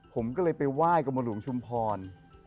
ผมก็เลยไปว่ายกับหลวงชุมพร